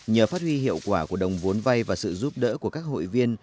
nhờ phát huy hiệu quả của đồng vốn vay và sự giúp đỡ của các hội viên